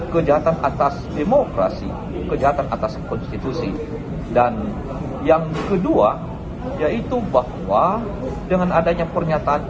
kejahatan atas demokrasi kejahatan atas konstitusi dan yang kedua yaitu bahwa dengan adanya pernyataan